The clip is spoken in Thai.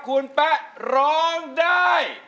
คุณแป๊ะร้องได้